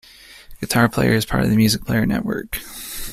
"Guitar Player" is a part of the Music Player Network.